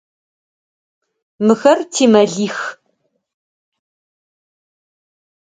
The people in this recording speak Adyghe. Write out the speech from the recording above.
Мыхэр тимэлих.